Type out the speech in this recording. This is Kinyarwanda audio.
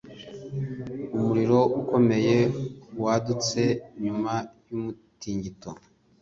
Umuriro ukomeye wadutse nyuma y’umutingito.